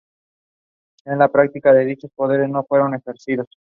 En la práctica, dichos poderes no fueron ejercidos.